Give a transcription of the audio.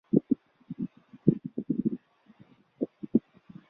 是一种生活在南亚和东南亚的蛱蝶科蝴蝶。